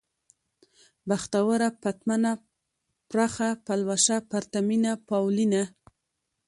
بختوره ، پتمنه ، پرخه ، پلوشه ، پرتمينه ، پاولينه